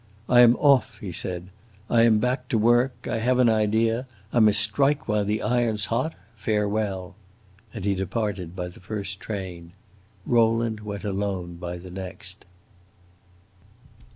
"I am off," he said. "I am back to work. I have an idea. I must strike while the iron 's hot! Farewell!" And he departed by the first train. Rowland went alone by the next.